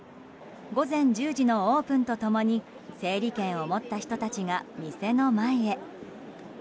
午前１０時のオープンと共に整理券を持った人たちが店の前へ。